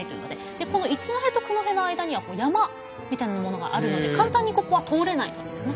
でこの一戸と九戸の間には山みたいなものがあるので簡単にここは通れないんですね。